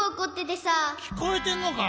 きこえてんのか！